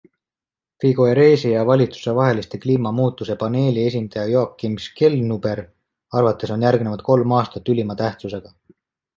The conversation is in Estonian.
Figueresi ja valitsustevahelise kliimamuutuse paneeli esindaja Joachim Schellnhuberi arvates on järgnevad kolm aastat ülima tähtsusega.